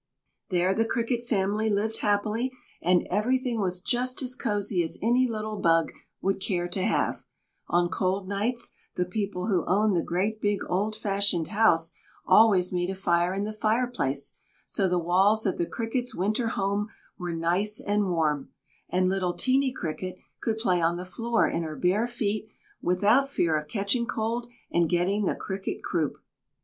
There the Cricket family lived happily and every thing was just as cozy as any little bug would care to have; on cold nights the people who owned the great big old fashioned house always made a fire in the fireplace, so the walls of the Cricket's winter home were nice and warm, and little Teeny Cricket could play on the floor in her bare feet without fear of catching cold and getting the Cricket croup.